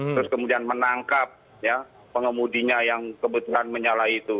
terus kemudian menangkap ya pengemudinya yang kebetulan menyalahi itu